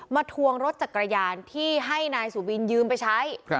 ทวงรถจักรยานที่ให้นายสุบินยืมไปใช้